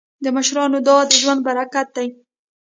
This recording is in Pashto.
د مشرانو دعا د ژوند برکت دی.